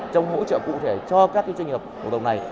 trong hỗ trợ cụ thể cho các doanh nghiệp cổ đồng này